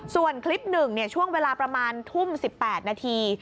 ส่วนคลิปหนึ่งช่วงเวลาประมาณทุ่ม๑๘นาที